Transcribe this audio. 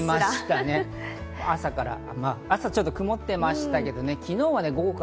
朝ちょっと曇ってましたけどね。